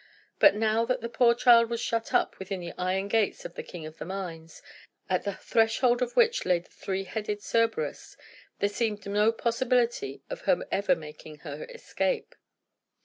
But now, that the poor child was shut up within the iron gates of the king of the mines, at the threshold of which lay the three headed Cerberus, there seemed no possibility of her ever making her escape.